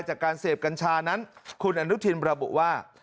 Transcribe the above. จากการเสพกัญชานั้นคุณอนุทินระบุว่า